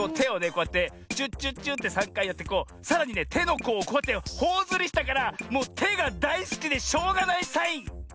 こうやってチュッチュッチュッて３かいやってこうさらにねてのこうをこうやってほおずりしたからもうてがだいすきでしょうがないサイン！